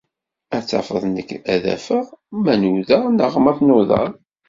Ad tafeḍ nekk ad afeɣ, ma nudeɣ neɣ ma tnudaḍ.